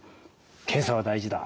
検査が大事だ。